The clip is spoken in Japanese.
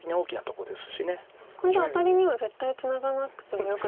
これでアタリには絶対ツナがなくてもよくなった。